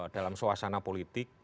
dalam suasana politik